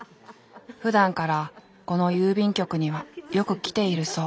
ふだんからこの郵便局にはよく来ているそう。